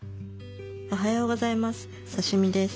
おはようございます。